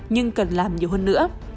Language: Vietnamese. nhưng cần làm nhiều hơn nữa